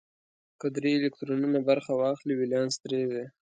که درې الکترونه برخه واخلي ولانس درې دی.